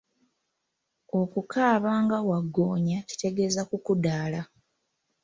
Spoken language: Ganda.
Okukaaba nga waggoonya kitegeeza kukudaala.